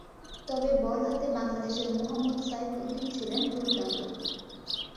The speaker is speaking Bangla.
তবে বল হাতে বাংলাদেশের মোহাম্মদ সাইফউদ্দিন ছিলেন দুর্দান্ত।